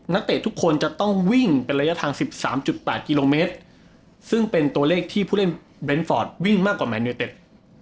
นักเต็ดทุกคนจะต้องวิ่งเป็นระยะทางสิบสามจุดแปดกิโลเมตรซึ่งเป็นตัวเลขที่ผู้เล่นเบนฟอร์ดวิ่งมากกว่าแมนเวอร์เต็ด